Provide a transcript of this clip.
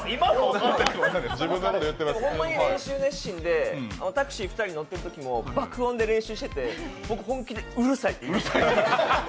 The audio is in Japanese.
ほんまに練習熱心で、タクシー乗ってても爆音で練習してて、僕、本気でうるさいって言いました。